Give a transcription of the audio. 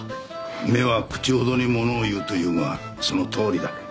「目は口ほどにものを言う」と言うがそのとおりだ。